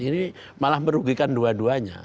ini malah merugikan dua duanya